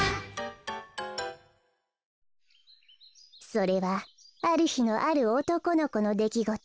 それはあるひのあるおとこのこのできごと。